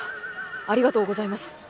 ありがとうございます。